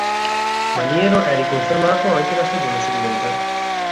Maniero è riconfermato anche la stagione seguente.